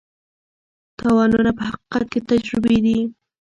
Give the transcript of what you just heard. تاوانونه په حقیقت کې تجربې دي.